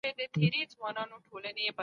د نفوسو د زیاتوالي او عاید انډول ته وګورئ.